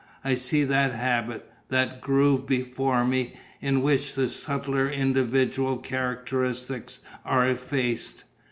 I see that habit, that groove before me, in which the subtler individual characteristics are effaced.